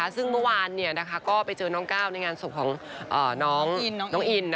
ซึ่งเมื่อวานก็ไปเจอน้องก้าวในงานศพของน้องอิน